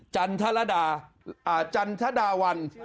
จันทรดาวัน